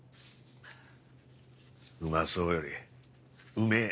「うまそう」より「うめぇ」